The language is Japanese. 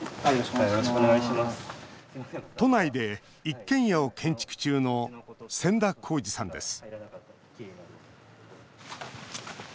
都内で一軒家を建築中の千田耕司さんです